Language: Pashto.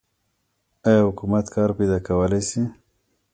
آیا حکومت کار پیدا کولی شي؟